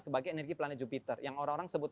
sebagai energi planet jupiter yang orang orang sebut